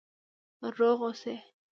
روغ اوسئ؟